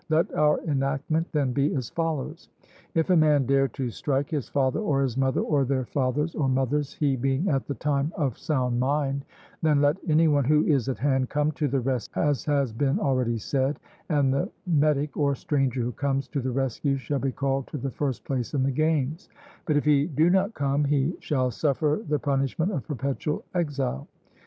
Let our enactment then be as follows: If a man dare to strike his father or his mother, or their fathers or mothers, he being at the time of sound mind, then let any one who is at hand come to the rescue as has been already said, and the metic or stranger who comes to the rescue shall be called to the first place in the games; but if he do not come he shall suffer the punishment of perpetual exile.